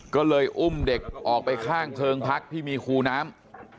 ก็เลยอุ้มเด็กออกไปข้างเพลิงพักที่มีคูน้ำ